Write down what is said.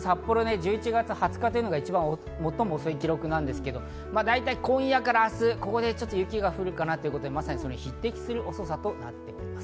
１１月２０日というのが最も遅い記録なんですけど、今夜から明日、雪が降るかなということで匹敵する遅さとなっています。